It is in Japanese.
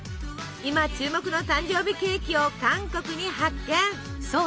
今注目の誕生日ケーキを韓国に発見！